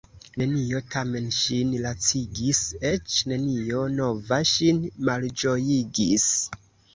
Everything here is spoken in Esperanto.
Nenio tamen ŝin lacigis, eĉ nenio nova ŝin malĝojigis.